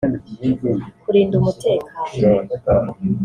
kurinda umutekano